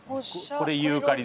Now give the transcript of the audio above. これユーカリ。